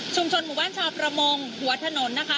หมู่บ้านชาวประมงหัวถนนนะคะ